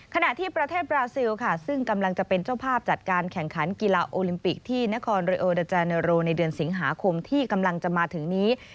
ขณะที่ประเทศบราซิลค่ะซึ่งกำลังจะเป็นเจ้าภาพจัดการแข่งขันกีฬาโอลิมปิกที่นครเรโอดาจาเนอโรในเดือนสิงหาคมที่กำลังจะมาถึงนี้